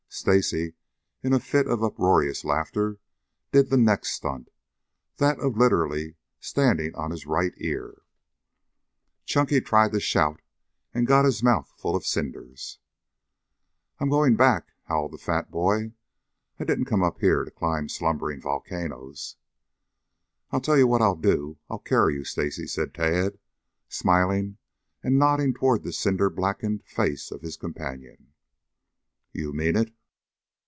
Stacy, in a fit of uproarious laughter, did the next stunt, that of literally standing on his right ear. Chunky tried to shout and got his mouth full of cinders. "I'm going back," howled the fat boy. "I didn't come up here to climb slumbering volcanoes." "I'll tell you what I'll do, I'll carry you, Stacy," said Tad, smiling and nodding toward the cinder blackened face of his companion. "You mean it?"